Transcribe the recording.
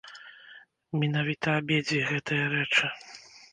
Менавіта абедзве гэтыя рэчы!